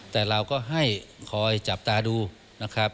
แต่เราก็ให้คอยจับตาดูนะครับ